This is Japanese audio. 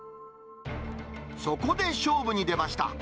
そこで勝負に出ました。